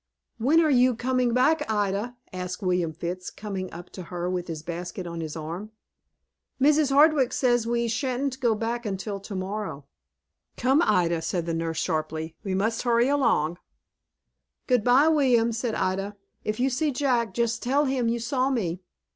"When are you coming back, Ida?" asked William Fitts, coming up to her with his basket on his arm. "Mrs. Hardwick says we sha'n't go back till to morrow." "Come, Ida," said the nurse, sharply. "We must hurry along." "Good by, William," said Ida. "If you see Jack, just tell him you saw me."